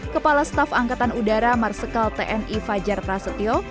kepala staf angkatan udara marsikal tni fajar prasetyo